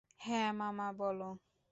হ্যাঁ মা বলো!